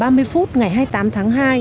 ngày hai mươi tám tháng hai